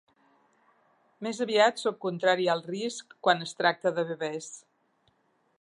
Més aviat sóc contrari al risc quan es tracta de bebès.